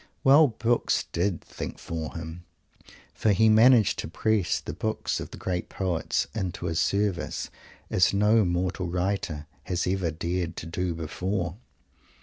Well, books did "think for him," for he managed to press the books of the great poets into his service, as no mortal writer has ever dared to do before.